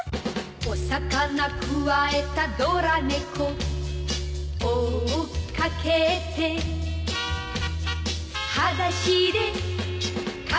「お魚くわえたドラ猫」「追っかけて」「はだしでかけてく」